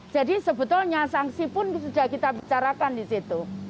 jadi sebetulnya sanksi pun sudah kita bicarakan di situ